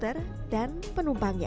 dari krl dan penumpangnya